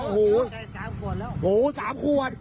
หู